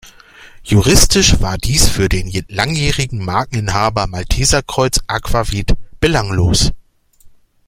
Juristisch war dies für den langjährigen Markeninhaber Malteserkreuz Aquavit belanglos.